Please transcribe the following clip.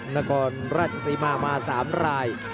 นากรราชสีมามา๓ราย